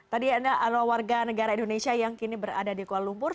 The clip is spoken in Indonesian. tadi anda adalah warga negara indonesia yang kini berada di kuala lumpur